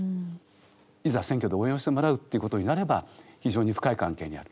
いざ選挙で応援をしてもらうっていうことになれば非常に深い関係にある。